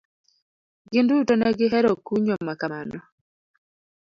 Gin duto negi hero kunyo makamano.